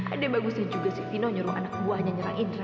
ada yang bagusnya juga si vino nyuruh anak buahnya nyerah indra